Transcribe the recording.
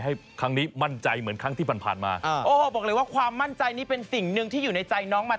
ให้ครั้งนี้มั่นใจเหมือนที่เราผ่านมา